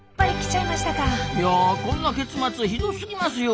いやこんな結末ひどすぎますよ！